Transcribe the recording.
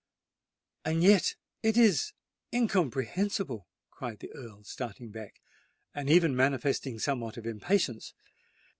"And yet it is incomprehensible!" cried the Earl, starting back, and even manifesting somewhat of impatience.